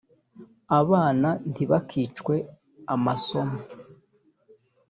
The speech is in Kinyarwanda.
abana ntibakicwe amasomo.